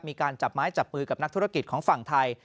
มีการจับไม้จับมือกับนักธุรกิจของฝั่งไทย